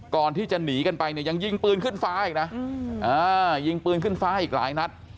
ก่อนที่จะหนีกันไปเนี่ยยังยิงปืนขึ้นฟ้าอีกนะยิงปืนขึ้นฟ้าอีกหลายนัด